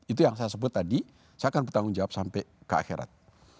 itu yang saya sebut tadi saya akan bertanggung jawab sampai ke akhirat